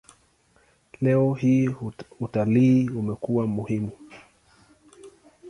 Leo hii utalii umekuwa muhimu.